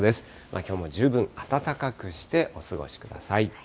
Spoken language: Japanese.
きょうも十分暖かくしてお過ごしください。